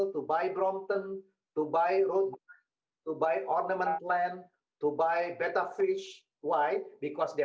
terima kasih banyak banyak pak dr hatip basri